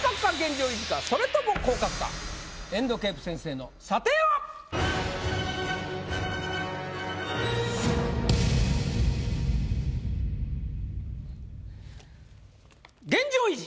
それともエンドケイプ先生の査定は⁉現状維持！